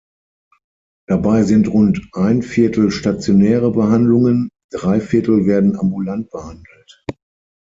Dabei sind rund ein Viertel stationäre Behandlungen, drei Viertel werden ambulant behandelt.